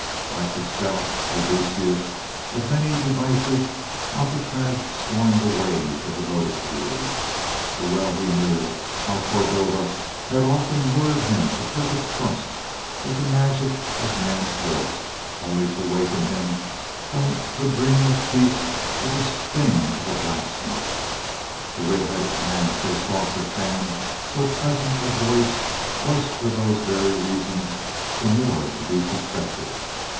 Like the stout Odysseus of many devices Alcatraz scorned the ways of the lotus eaters; for well he knew how Cordova had often lured him to perfect trust with the magic of man's voice, only to waken him from the dream of peace with the sting of a blacksnake. This red headed man, so soft of hand, so pleasant of voice, was for those very reasons the more to be suspected.